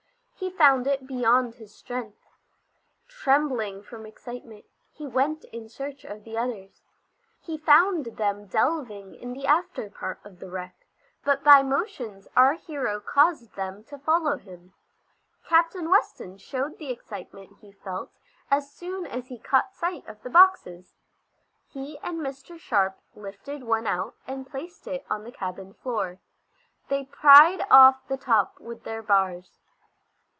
He found it beyond his strength. Trembling from excitement, he went in search of the others. He found them delving in the after part of the wreck, but by motions our hero caused them to follow him. Captain Weston showed the excitement he felt as soon as he caught sight of the boxes. He and Mr. Sharp lifted one out, and placed it on the cabin floor. They pried off the top with their bars.